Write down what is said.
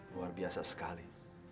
luar biasa sekali